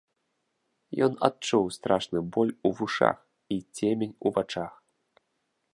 Ён адчуў страшны боль у вушах і цемень у вачах.